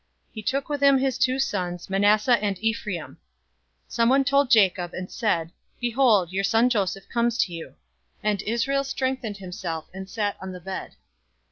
He took with him his two sons, Manasseh and Ephraim. 048:002 Someone told Jacob, and said, "Behold, your son Joseph comes to you," and Israel strengthened himself, and sat on the bed.